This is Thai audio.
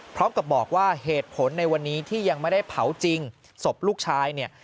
พร้อมกับบอกว่าเหตุผลในวันนี้ที่ยังไม่ได้เผาจริงศพลูกชายเนี่ย